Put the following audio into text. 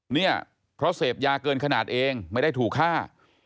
เนี่ยเพราะเสพยาเกินขนาดเองไม่ได้ถูกฆ่า